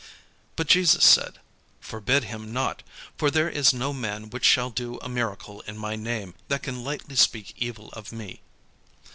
But Jesus said, "Forbid him not: for there is no man which shall do a miracle in my name, that can lightly speak evil of me.